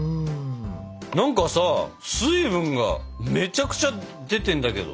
何かさ水分がめちゃくちゃ出てんだけど。